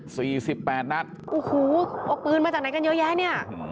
สิบแปดนัดโอ้โหเอาปืนมาจากไหนกันเยอะแยะเนี้ย